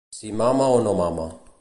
Si mama o no mama.